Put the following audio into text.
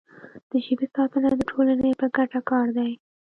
د ژبې ساتنه د ټولنې په ګټه کار دی.